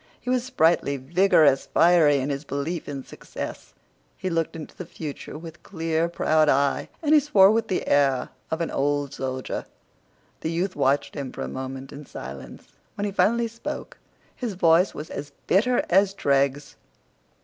He was sprightly, vigorous, fiery in his belief in success. He looked into the future with clear proud eye, and he swore with the air of an old soldier. The youth watched him for a moment in silence. When he finally spoke his voice was as bitter as dregs.